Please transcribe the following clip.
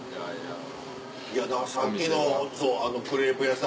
いやだからさっきのあのクレープ屋さん。